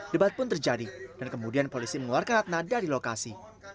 debat pun terjadi dan kemudian polisi mengeluarkan ratna dari lokasi